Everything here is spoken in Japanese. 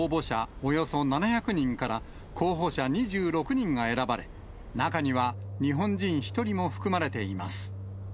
およそ７００人から、候補者２６人が選ばれ、中には日本人１人も含まれています。